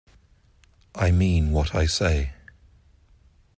I mean what I say.